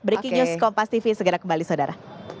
breaking news kompas tv segera kembali saudara